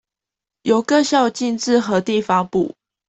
由各校逕自核定發布